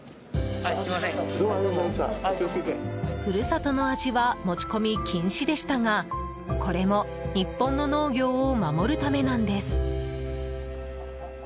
故郷の味は持ち込み禁止でしたがこれも日本の農業を守るためなんです。